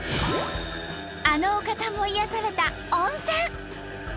あのお方も癒やされた温泉。